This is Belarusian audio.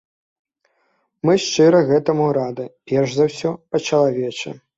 Мы шчыра гэтаму рады, перш за ўсё, па-чалавечы.